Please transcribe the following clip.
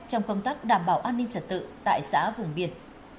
trong công tác đảm bảo an ninh trật tự tại xã vùng biên